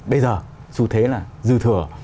bây giờ xu thế là dư thừa